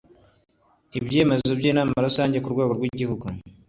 Ibyemezo by Inama Rusange ku rwego rw Igihugu